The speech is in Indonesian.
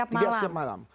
tidak setiap malam